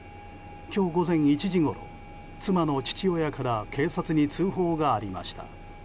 今日午前１時ごろ、妻の父親から警察に通報がありました。